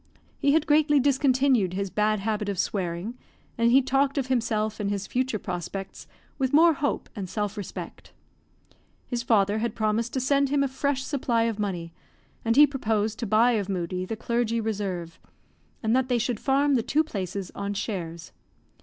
He had greatly discontinued his bad habit of swearing, and he talked of himself and his future prospects with more hope and self respect. His father had promised to send him a fresh supply of money, and he proposed to buy of Moodie the clergy reserve, and that they should farm the two places on shares.